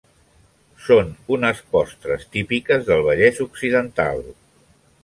Són unes postres típiques del Vallès occidental.